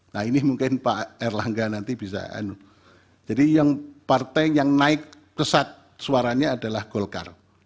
nah ini mungkin pak erlangga nanti bisa jadi yang partai yang naik pesat suaranya adalah golkar